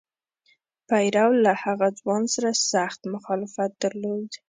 پیرو له هغه ځوان سره سخت مخالفت درلود.